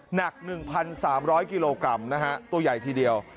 หนัก๑๓๐๐กิโลกรัมนะฮะตัวใหญ่ทีเดียว